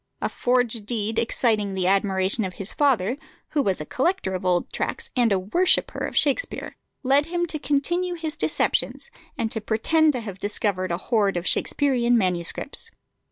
A forged deed exciting the admiration of his father, who was a collector of old tracts and a worshipper of Shakspere, led him to continue his deceptions, and to pretend to have discovered a hoard of Shaksperian MSS.